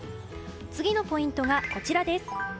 次のポイントがこちらです。